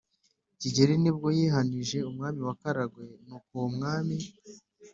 kigeri ni bwo yihanije umwami w' akaragwe, nuko uwo mwami